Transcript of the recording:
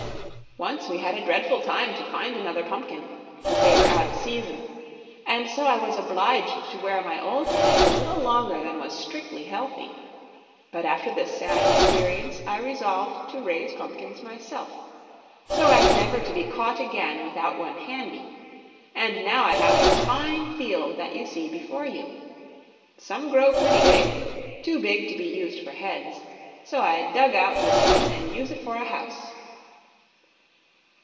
Once we had a dreadful time to find another pumpkin, as they were out of season, and so I was obliged to wear my old head a little longer than was strictly healthy. But after this sad experience I resolved to raise pumpkins myself, so as never to be caught again without one handy; and now I have this fine field that you see before you. Some grow pretty big too big to be used for heads so I dug out this one and use it for a house."